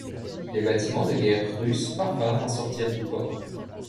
Les bâtiments de guerre russes parvinrent à sortir du port.